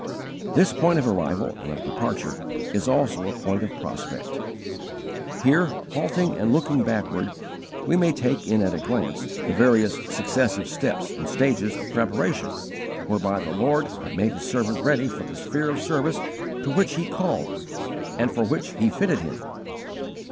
This point of arrival and of departure is also a point of prospect. Here, halting and looking backward, we may take in at a glance the various successive steps and stages of preparation whereby the Lord had made His servant ready for the sphere of service to which He called, and for which He fitted him.